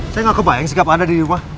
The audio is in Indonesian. saya gak kebayang sikap anda di rumah